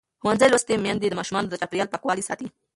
ښوونځې لوستې میندې د ماشومانو د چاپېریال پاکوالي ساتي.